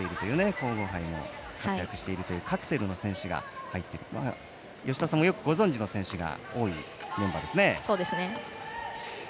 皇后杯でも活躍しているというカクテルの選手が入ってきて吉田さんが、よくご存じの選手が多いメンバーですね。